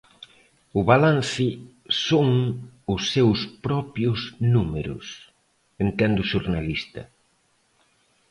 "O balance son os seus propios números", entende o xornalista.